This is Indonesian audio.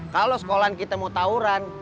kalau sekolahan kita mau tawuran